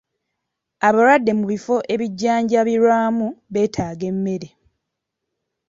Abalwadde mu bifo ebijjanjabirwamu beetaaga emmere.